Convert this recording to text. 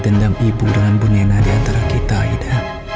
dendam ibu dengan bunyai nadi antara kita aida